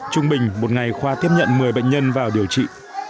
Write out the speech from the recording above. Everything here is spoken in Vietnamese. trung bình một ngày khoa tiếp nhận một mươi bệnh nhân vào điều trị